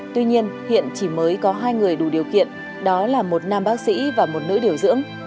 tuy nhiên hiện chỉ mới có hai người đủ điều kiện đó là một nam bác sĩ và một nữ điều dưỡng